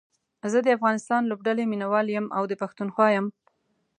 زه دا افغانستان لوبډلې ميناوال يم او دا پښتونخوا يم